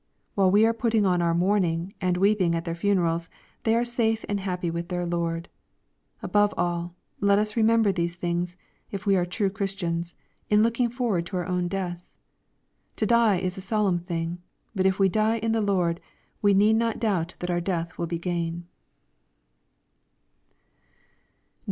While we are putting on our mourning, and weeping at their funerals, they are safe and happy with theii Lord. — Above all, let us remember these things, if we ar^ tnie Christians, in looking forward to our own deaths. To die is a solemn thing. But if we die in the Lord, w<? xieed not doubt that our death will be gain.